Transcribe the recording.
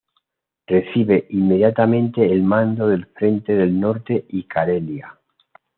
Recibe inmediatamente el mando del frente del Norte y Carelia.